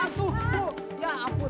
aduh ya ampun